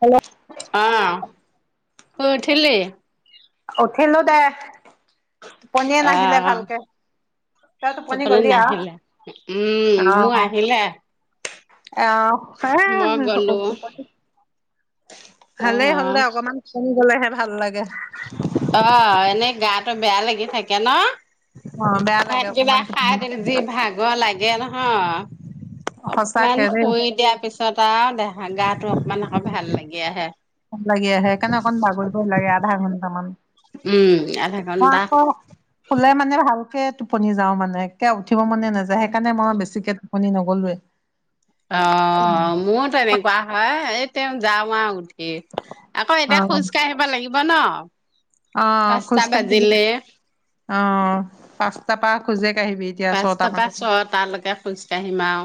Hello অ' শুই উঠিলি? উঠিলো দেহ টোপনীয়ে নাহিলে আহ ভালকে। তই টোপনি গলি আও নাহিলে। উম অ মোৰ আহিলে। মই গলো [unintelligible] অ ভালেই হ'ল দে অকমান [unintelligible] গলেহে ভাল লাগে। অ' এনেই গাটো বেয়া লাগি থাকে ন? অ বেয়া লাগে [unintelligible] কিবা অকমান খাই টোপনি দিলে যি ভাগৰ লাগে ন। অ'। অকমান সঁচাকে দেই শুই দিয়াৰ পিছত আৰু দেহা গা‌ত টো অকমান আকৌ ভাল লাগি আহে। [unintelligible] লাগি আহে। সেইকাৰণে অকণ বাগৰিব লাগে আধা ঘণ্টামান। উম আধা মই ঘন্টা আকৌ শুলে মানে ভাল কে টোপনি যাওঁ মানে একে উঠিব মনে নাযায় সেইকাৰণে মই বেছিকে টোপনি নগলোৱে। অ' মোৰো তেনেকুৱা হয়। এ তেও যাওঁ আৰু উঠ ঠি। আকৌ অ এতিয়া খোঁজ কাঢ়িব লাগিব ন? অ খোজ পাঁচটা কাঢ়িবি বাজিলে। অ' পাঁচটা পা খোজে কাঢ়িবি এতিয়া ছটা পাঁচটা মান পা ছটালৈকে খোজ কাঢ়িম আও।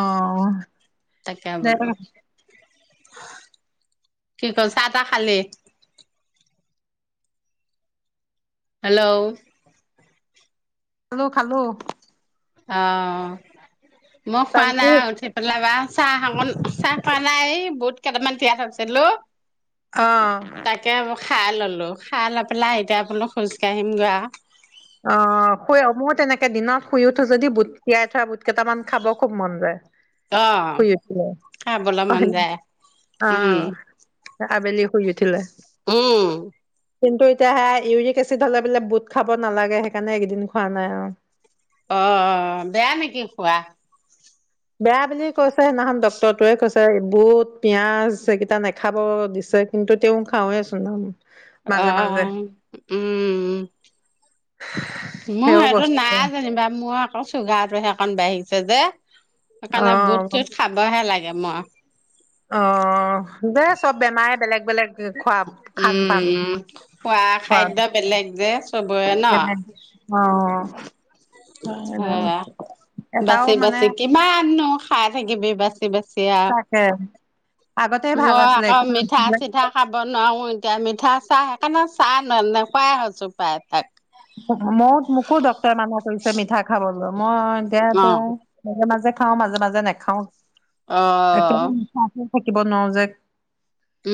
অ তাকে দে বোলু। কি ক চাহ-তাহ খালি? হেল্ল'। খালোঁ খালোঁ। অ' মই খোৱা তাকো নাই উঠি পেলাই বা চাহ অকন, চাহ খোৱা নাই এই‌ বুট কেইটামান তিয়াই থৈছিলোঁ। অ'। খাই ল'লোঁ। খাই লৈ পেলাই এতিয়া বোলো খোজ কাঢ়িমগে আ। অ' শুই অ মইয়ো তেনেকে দিনত শুই উঠো যদি বুট তিয়াই থোৱা বুট কেটামান খাব খুব মন যায়। অ শুই উঠিলে। খাবলৈ মন অ'। যায় উম আবেলি শুই উঠিলে। উম। কিন্তু এতিয়া সে ইউৰিক এচিড হলে বোলে বুট খাব নালাগে সেইকাৰণে এইকেইদিন খোৱা নাই আৰু অ বেয়া নেকি খোৱা বেয়া বুলি কৈছে সদিনাখনন ডক্তৰটোৱে কৈছে বুট পিয়াঁজ সেইকেইটা নেখাব দিছে। কিন্তু তেওঁ খাওঁ ছোন অ অ অ উম উম মোৰ সেইও সেইটো বস্তু নাই যেনিবা মোৰ আকৌ চুগাৰটো সেইকন বাঢ়িছে যে। অ সেইকাৰণে বুট চুত খাবহে লাগে মই অ দে চব বেমাৰে বেলেগ বেলেগ খোৱা খানপান উম খোৱা খাদ্য বেলেগ যে চবৰে ন অ অ সেয়া অ বাচি বাচি কিমাননো খাই থাকিবি বাচি বাচি আও। তাকে আগতে ভাল মই আছিলে আকৌ একো মিঠা নাছিলে চিঠা খাব নোৱাৰো এতিয়া মিঠা চাহ সেইকাৰণে চাহ নে খুৱাই হৈছো পায় ভাক মই মোকো ডক্টৰে মানা কৰিছে মিঠা খাবলৈ মই এতিয়া অ তেওঁ মাজে মাজে। খাও মাজে মাজে নেখাও অ অ অ থাকিব নোৱাৰো যে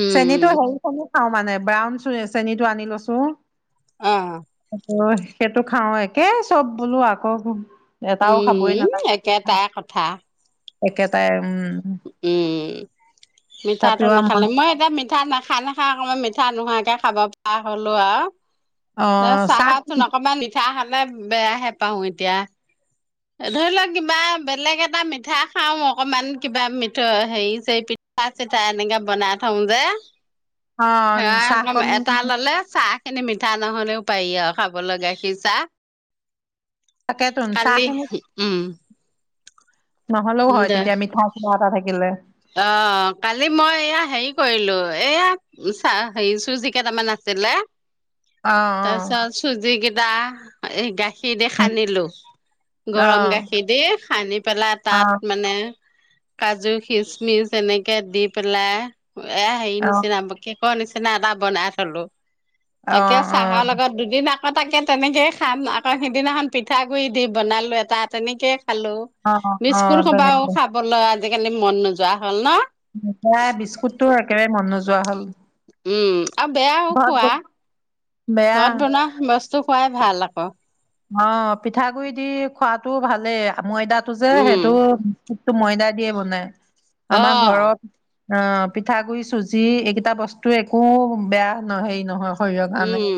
উম চেনীতো হ নো। অ মানে ব্ৰাউন চ চেনীটো আনি লৈছো। অ সেইটো খাও একে চব বোলো আকৌ। এটাও খাবই উম নাথাকে একেটাই কথা একেটাই‌ আৰু উম মিঠাটো তথাপিও মন নখালে মই এতিয়া মিঠা নাখাই নাখা আক মই মিঠা নোহোৱাকে খাব। চাহ হলো অ আৰু চাহ চাহচোন অকমান মিঠা খালো। মানে বেয়াহে পাওঁ এতিয়া। ধৰি লও কিবা বেলেগ এটা মিঠা খাও অকমান কিবা মিঠ হেৰি চ পিঠ চাহ পিঠা চিঠা এনেকে বনাই থওঁ যে অ চাহকণ সেয়া এটা ললে চাহ। এনে মিঠা নহ'লেও পায়ি আৰু খাব লগা সি চাহ তাকেতো চাহ কালি খিনি উম নহ'লেও হয় দে তেতিয়া মিঠা কিবা এটা থাকিলে। অ কালি মই এয়া হেৰি কৰিলো এয়া চা হেৰি চুজি কেইটামান আছিল অ তাৰপিছত চুজি কেইটা এই গাখীৰ। গাখীৰ দি সানিলো অ অ গৰম গাখীৰ দি সানি পেলাই অ তাত মানে। কাজু খিচমিচ এনেকে দি পেলাই এ হেৰি অ নিচিনা কেকৰ নিচিনা এটা বনাই থলো অ তাকে চাহৰ লগত দুদিন আ। তাকে তেনেকৈয়ে খাম আকৌ সিদিনাখন পিঠাগুড়ি দি বনালোঁ এটা তেনেকেই। খালো অ অ অ বিস্কুট সোবাও তেনেকে খাবলৈ আজিকালি মন নোযোৱা হ'ল ন বিস্কুটো একেবাৰে মন নোযোৱা হ'ল উম আৰু বেয়াও ঘৰত ব খোৱা বেয়া ঘৰত বনোৱা বস্তু খুৱাই ভাল আক অ পিঠাগুৰি দি খোৱাতটো ভালেই ময়দাটো যে উম সেইটো টো ময়দা দিয়ে বনাই অ আমাৰ ঘৰত অ পিঠাগুৰি চুজি এইকেইটা বস্তু একো বেয়া ন হেৰি নহয় শৰীৰৰ কাৰণে উম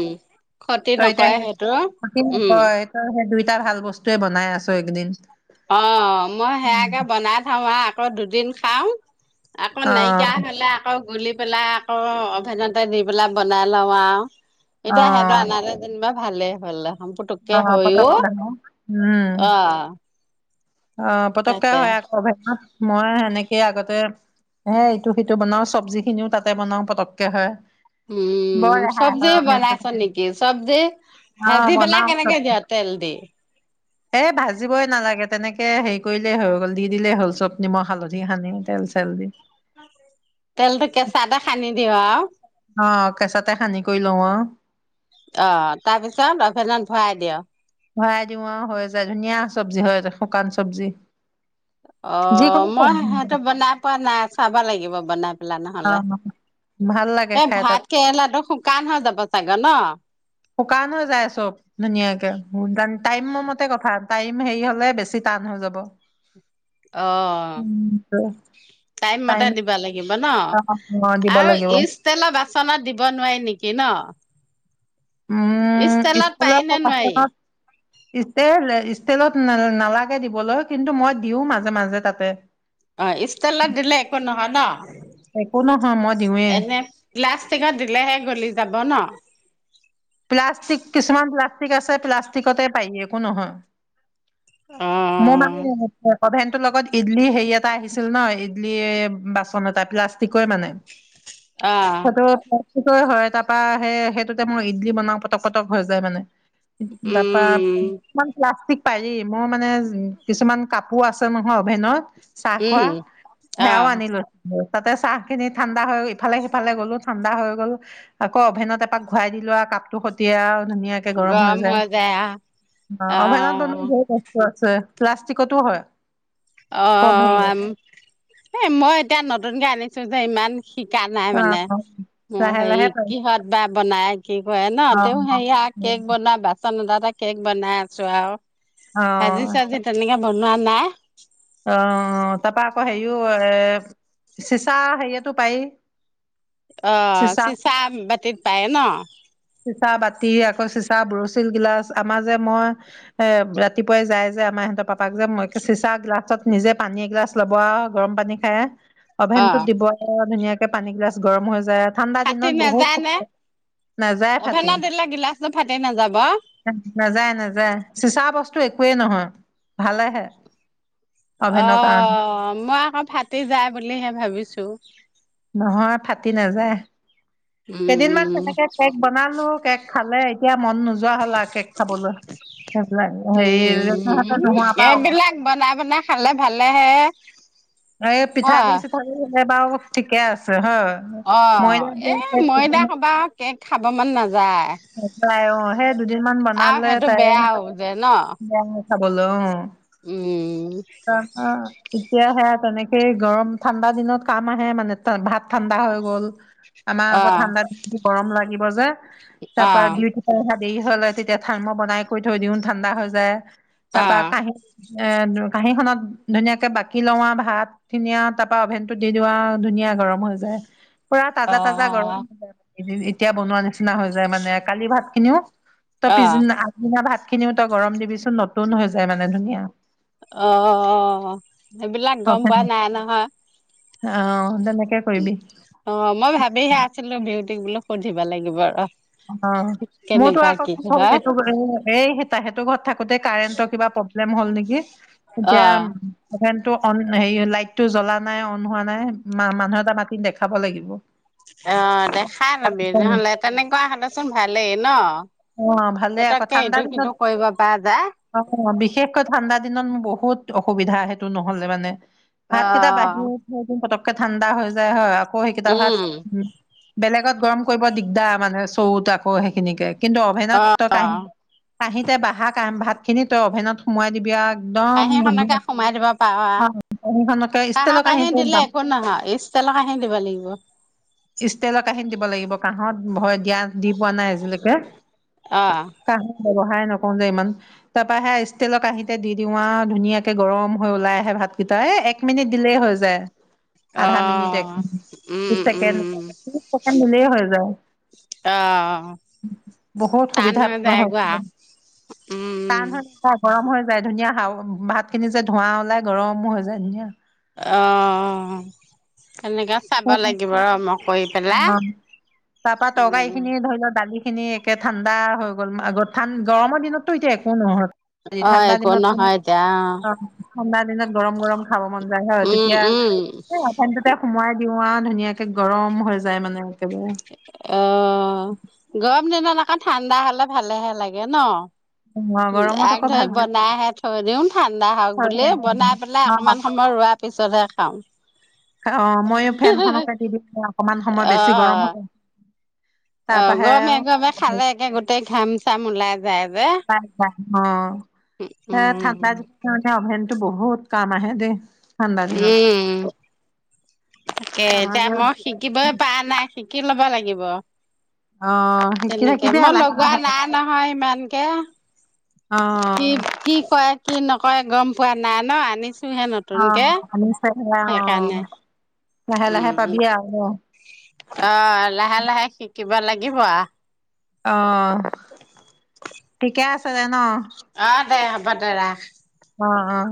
ক্ষতি তই নকৰে সেইটো এতিয়া উম নকয় সেই দুইটা ভাল বস্তুৱে বনাই আছো এইকেদিন অ মই সেয়াকে বনাই থওঁ আৰু আকৌ দুদিন খাও। আকৌ অ নাইকিয়া হলে আকৌ গুলি পেলাই আকৌ অভেনতে দি পেলাই বনাই লওঁ আও। এতিয়া সহঁত অ', আল যেনিবা ভালে হ'ল। পুটোকে হৈ অ পতককে হয়, আ অঁ পতকে হয় আকৌ ভ মই সেনেকেই আগতে। হে ইটো সিটো বনাওঁ চবজি খিনিও তাতে বনাওঁ পটককে হয়। উম বৰ ৰেহাই চবজি হয় অভ্যাসটো, বনাইছ নেকি চবজি। অ', ভাজি পেলাই কেনেকে দিয়া তেল দি? এ ভাজিবই নালাগে তেনেকে হেৰি কৰিলেই হৈ গল দি দিলেই হ'ল চব নিমখ হালধি সানি তেল চেল। তেলটো কেঁচা এটা খান্দি দিওঁ আৰু? অ', কেঁচাতে সানি কৰি লওঁ আৰু। অঁ তাৰপিছত অভেনত ভৰাই দিয়ক ভৰাই দিওঁ আৰু হৈ যায় ধুনীয়া চব্জি হয়, শুকান চব্জি। অঁ যিকোনো মই চব্জি, সেইটো বনাই পোৱা নাই, চাব লাগিব বনাই। লা নহলে অ', ভাল লাগে [inaudible] এই খাই তাত। ভাতকেৰেলাটো শুকান হৈ যাব চাগ ন? শুকান হৈ যায় চব ধুনীয়াকে। টাইম মতে কথা টাইম হেৰি হলে বেছি টান হৈ যাব। অঁ উম, টাইম মতে দিব লাগিব। ন দিব আৰু লাগিব ইষ্ট তেলৰ বাচনত দিব নোৱাৰি নেকি ন? উম ইষ্টেলত পাৰি ষ্টিলৰ নে নোৱাৰি? বাচনত। ষ্টেলেট ষ্টেলত নে নালাগে দিবলৈ কিন্তু মই দিওঁ মাজে মাজে তাতে। অঁ ইষ্টিলত দিলে একো নহয় ন। একো নহয় মই দিওঁৱেই এনে প্লাষ্টিকত দিলেহে গলি যাব ন। প্লাষ্টিক কিছুমান প্লাষ্টিক আছে প্লাষ্টিকতে পায় একো নহয়। অ মোৰ মানে এনেকুৱা কভেনটোৰ লগত ইডলি হেৰি এটা আহিছিল ন ইডলি বাচন এটা প্লাষ্টিকৰ মানে। অ সেইটোত ক হয় তাৰপা সেই সেইটোতে মোৰ ইতলি বনাও পতক-পতক হৈ যায় মানে, তাৰপৰা উম প্লাষ্টিক পাৰি মোৰ মানে উ কিছুমান কাপোৰ আছে নহয় অভেনত উম চাঁহখোৱা সেয়াওঁ অহ আনি ললো। তাতে চাহ খিনি ঠাণ্ডা হৈ ইফালে সিফালে গ'লো ঠাণ্ডা হৈ গ'ল আকৌ অভেনত এপাক ঘুৰাই দিলো লোৱা কাপটো টীয়া আৰু ধুনীয়াকে গৰম হৈ যায়, অভেনত বনোৱা বহুত কষ্ট আছে। প্লাষ্টিকতো হয়। অঁ কম হেৰিয়ত। অঁ এ মই এতিয়া নতুনকে আনিছো যে ইমান। শিকা নাই মানে। অ' মই লাহে হেৰি লাহে পাৰি কিহত বা বনাই কি কৰে ন তেওঁ সেয়া অ' কেক বনোৱা বাচন এটাত এটা কেক বনাই আছো আৰু ভাজি অ' চাজি তেনেকে বনোৱা নাই অঁ! তাৰপা আকৌ হেৰিও এ চিচা হেৰিয়টো পাৰি? অঁ চিচা বাতিত পায় ন? তি আকৌ চিচা বুৰচিল গিলাচ আমাৰ যে মই এ ৰাতিপুৱাই যাই যে আমাৰ সিহঁতৰ পাপাক য। মই কি চিচা গ্লা তাৰপাছত নিজে পানী এগিলাচ লব আৰু গৰম পানী খাই অ অভেনটোত দিব আৰু ধুনীয়াকে। পটকে পানী গিলাচ গৰম হৈ যায়। ঠাণ্ডা ফাটি দিনত বহুত নাযায় নে নাযায় ফাটি অভেনত দিলে গিলাচটো ফাটি নাযাব উম। নাযায়-নাযায় চিচা বস্তু একোৱেই নহয় ভালেহে। অভেনৰ কাৰণে অঁ মই আকৌ ফাটি যায় বুলিহে ভাবিছো। নহয় ফাটি নাযায় কেইদিনমান উম তেনেকে কেক বনালো কেক খালে এতিয়া। মন নোযোৱা হ'ল আৰু কে'ক খাবলৈ সেইবিলাক হেৰি সিহঁতে উম নোহোৱা পা এইবিলাক বনাই বনাই খালে ভালে হে এই পিঠাগুড়ি-চিঠাগুড়ি হলে বাৰু ঠিকে আছে হয়। অঁ ময়দা এ দিয়া কেক মই দে ক'বা কেক খাব মন নাযায় অৱ সেই দুদিনমান আৰু বনালে সেইটো তাই বেয়াও যে ন বেয়া হয় খাবলে অ উম অ হ এতিয়া সেয়াত তেনেকেই গৰম-ঠাণ্ডা দিনত কাম আহে মানে ভাত ঠাণ্ডা হৈ গ'ল। আমাৰ অ আকৌ ঠাণ্ডা দিন গৰম লাগিব যে তাৰ অ পৰা দুই কোঠা সেয়াত দেৰি হলে তেতিয়া ভাত মই বনাই কৰি থৈ দিও ঠাণ্ডা হৈ যায় তাৰ অ পৰা কাঁহী এ কাঁহীখনত ধুনীয়াকে বাকি ল‌ওঁ আৰু ভাতখিনি আৰু তাৰপৰা অভেনটো দি আও ধুনীয়া গৰম হৈ যায়। [unintelligible] পুৰা তাজা অ তাজা গৰম হৈ যায় এদিন এতিয়া বনোৱা নিচিনা হৈ যায় মানে কালি ভাত খিনিও তই অ অ পিছদিনা-আগদিনা ভাতখিনিও তই গৰম দিবিচোন নতুন হৈ যায় মানে ধুনীয়া। অ সেইবিলাক গম অভেন পোৱা নাই নহয়। অ তেনেক- অ মই মানে ভাবিহে আছিলো বিউটিক বোলো সুধিব লাগিব ৰ। অ মোৰতো কেনেকুৱা আকৌ কি হ'ল হয়। এইটো এ এই তাহেতৰ ঘৰত থাকোতে কাৰেণ্টৰ কিবা প্ৰব্লেম হ'ল নেকি অ', এতিয়া ফেন টো অন হেৰি লাইটটো জ্বলা নাই অন হোৱা নাই মানুহ এটা মাতি দেখাব লাগিব। অ দেখাই লবি নহলে তেনেকুৱা হলেচোন ভালেই ন অ ভালে আকৌ পতককে ঠাণ্ডা ইটো দিনত সিটো কৰিব পৰা যায়। অ বিশেষকৈ ঠাণ্ডা দিনত মোৰ বহুত বহুত অসুবিধা সেইটো নহলে মানে ভাত কেইটা অ', বাঢ়ি পটক ঠাণ্ডা হৈ যায় হয়, আকৌ সেইকেইটা ভাত উম, বেলেগ আগত গৰম কৰিব দিগদাৰ মানে চৰুত আকৌ সেইখিনিকে কিন্তু অভেনত তই কাঁহী অ', কাঁহিতে বাহা কাহ ভাত খিনি তই অভেনত সোমোৱাই দিবি আও। কাঁহীখনকে সোমাই দিব পাৰ আও। অ', কাঁহীখনকে ষ্টিলৰ কাঁহৰ কাঁহী কাঁহীত দিলে একো নহয় ইষ্টিলৰ কাঁহী দিব লাগিব। ষ্টিইলৰ কাঁহীত দিব লাগিব, কাঁহত ভয় দিয়া দি পোৱা নাই আজিলৈকে। অ', কাঁহত বেয়া। সহায় নকও যে ইমান তাৰপৰা হে ষ্টিলৰ কাঁহীতে দি দিওঁ আৰু ধুনীয়াকে গৰম হৈ ওলাই আহে ভাতকেইট- তই একমিনিট দিলেই হৈ যায়, আধামিনিট, অ', একমিনিট, উম, বিশ ছেকেণ্ড। উম, পটকে মিলেই হৈ যায় অ', বহুত টান সুবিধাত হৈ লোৱা হ'ল যায়গৈ আৰু উম। টান হৈ নাযায় গৰম হৈ এতিয়া ধুনীয়া হাও ভাতখিনি যে ধোৱা ওলাই গৰম হৈ যায় ধুনীয়া। অ! তেনেকে চাব লাগিব ৰ মোক। অ! তাৰপৰা তৰকাৰীখিনি ধৰি লওক দালি। খিনি একে ঠাণ্ডা হৈ গ'ল আগত ঠান গৰমৰ দিনতটো এতিয়া একো নহয়। যি অ', ঠাণ্ডা একো দিনতটো মোক নহয় এতিয়া অ ঠাণ্ডা দিনত গৰম-গৰম খাব মন যায় হয় উম, তেতিয়া উম, এই অভেনটোতে সোমোৱাই তিৱা ধুনীয়াকে গৰম হৈ যায় মানে। একেবাৰে অ গৰম দিনত আকৌ ঠাণ্ডা হলে ভালেহে লাগে ন। অ উম গৰমত আগ আকৌ ভাল ধৰি হয়। বনাইহে থৈ দিও ঠাণ্ডা হওক বুলি বনাই পেলাই অ অকমান সময় ৰোৱাৰ পিছতহে খাওঁ অ ময়ো ফেনখনকে দি-দিং অকনমান সময় বেছি গৰম অ', হ'লে। তাৰ অ পৰাহে গৰমে গৰমে খালে একে গোটেই ঘাম চাম ওলাই যায় যে। অ এ উম, ঠাণ্ডা দিনতে অভেনতটো বহুত কাম আহে দেই। ঠাণ্ডা দিনত উম তাকে আমাৰ এতিয়া যে মই শিকিবই পৰা নাই শিকি লব লাগিব। অ শিকি তেনেকে থাকিবি মই আৰু লাহে লগোৱা লাহে নাই নহয় ইমানকে। অ কি কি কয় কি নকয় গম পোৱা নাই ন আনিছ- হে অ নতুনকে আনিছে সেয়া অ সেইকাৰণে। লাহে লাহে উম উম পাবি আৰু দে অ লাহে লাহে শিক কিবা লাগিব আ অঁ! ঠিকে আছে যে ন? অ দে হ'ব দে ৰাখ। অহ অহ